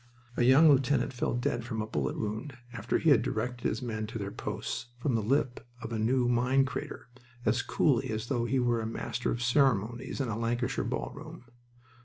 A young lieutenant fell dead from a bullet wound after he had directed his men to their posts from the lip of a new mine crater, as coolly as though he were a master of ceremonies in a Lancashire ballroom.